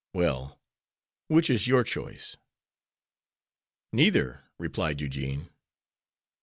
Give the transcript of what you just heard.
Well, which is your choice?" "Neither," replied Eugene.